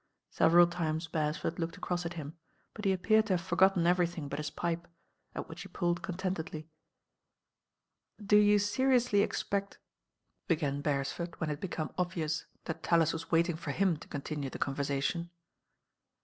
Several times Beresford looked across at him ; but he appeared to have forgotten everything but his pipe, at which he pulled contentedly. "Do you seriously expect ^^?" began Beresford, THE RAIN GIRL who, it had become obvious that Tallii wis waitiiis tor him to continue the conversation.